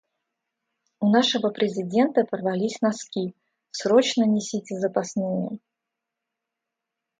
У нашего Президента порвались носки, срочно несите запасные!